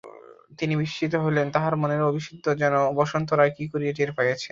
তিনি বিস্মিত হইলেন, তাঁহার মনের অভিসন্ধি যেন বসন্ত রায় কী করিয়া টের পাইয়াছেন।